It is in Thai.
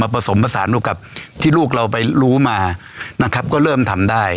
มาผสมภาษาลูกกับที่ลูกไปรู้มาก็เริ่มทำได้